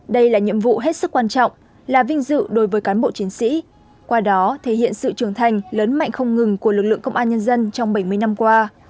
đây là nhiệm vụ hết sức quan trọng là vinh dự đối với cán bộ chiến sĩ qua đó thể hiện sự trưởng thành lớn mạnh không ngừng của lực lượng công an nhân dân trong bảy mươi năm qua